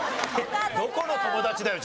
どこの友達だよ